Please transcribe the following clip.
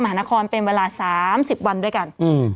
หานครเป็นเวลา๓๐วันด้วยกัน